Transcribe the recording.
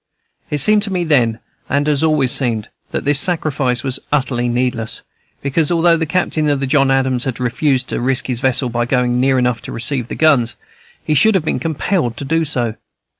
It seemed to me then, and has always seemed, that this sacrifice was utterly needless, because, although the captain of the John Adams had refused to risk his vessel by going near enough to receive the guns, he should have been compelled to do so.